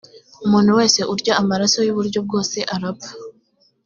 umuntu wese urya amaraso y uburyo bwose arapfa